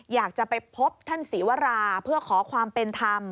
อยากจะไปพบท่านศรีวราเพื่อขอความเป็นธรรม